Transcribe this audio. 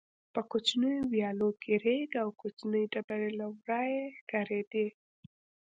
په کوچنیو ویالو کې رېګ او کوچنۍ ډبرې له ورایه ښکارېدې.